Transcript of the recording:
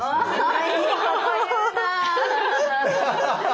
おいいこと言うな。